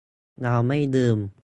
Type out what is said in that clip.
เราไม่ลืม